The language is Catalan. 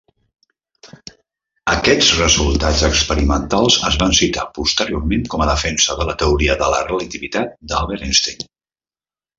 Aquests resultats experimentals es van citar posteriorment com a defensa de la teoria de la relativitat d'Albert Einstein.